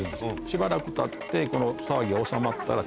しばらくたってこの騒ぎが収まったら。